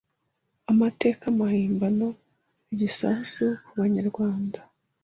Amateka mahimbano, igisasu ku banyarwanda